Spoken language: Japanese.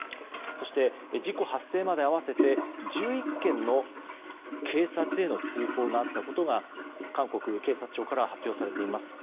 そして事故発生まで合わせて１１件への警察への通報があったことが韓国警察庁から発表されています。